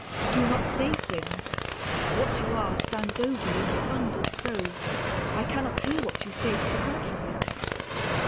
"Do not say things; what you are stands over you and thunders so, I cannot hear what you say to the contrary."